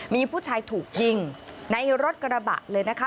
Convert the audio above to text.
มีผู้ชายถูกยิงในรถกระบะเลยนะคะ